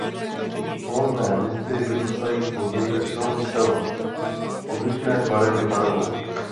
Plodné listy vyrůstají později a jsou zcela odlišné tvarem i barvou.